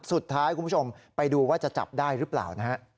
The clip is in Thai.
สุดท้ายคุณผู้ชมไปดูว่าจะจับได้หรือเปล่า